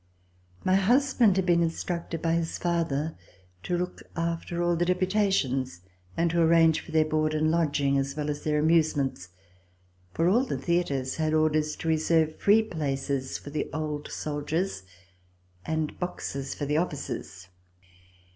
My husband had been instructed by his father to look after all the deputations and to arrange for their board and lodging, as well as their amusements, for all the theatres had orders to reserve free places for the old soldiers and boxes for the officers.